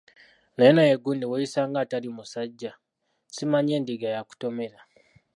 Naye naawe gundi weeyisa ng'atali musajja, simanyi endiga yakutomera?